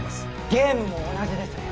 ゲームも同じですね